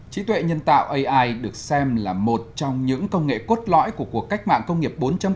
trí tuệ nhân tạo ai được xem là một trong những công nghệ cốt lõi của cuộc cách mạng công nghiệp bốn